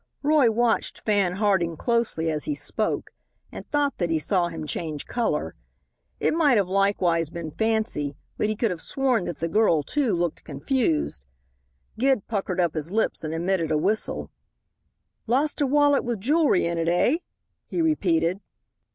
Roy watched Fan Harding closely as he spoke and thought that he saw him change color. It might have likewise been fancy, but he could have sworn that the girl, too, looked confused. Gid puckered up his lips and emitted a whistle. "Lost a wallet with jewelry in it, eh?" he repeated.